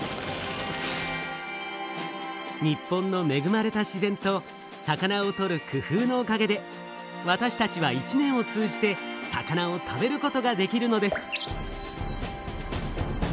日本のめぐまれた自然と魚をとる工夫のおかげでわたしたちは一年を通じて魚を食べることができるのです。